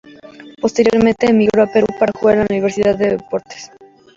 Posteriormente emigró a Perú para jugar en el Universitario de Deportes.